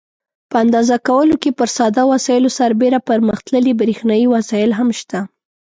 په اندازه کولو کې پر ساده وسایلو سربېره پرمختللي برېښنایي وسایل هم شته.